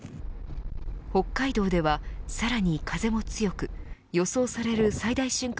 北海道ではさらに風も強く予想される最大瞬間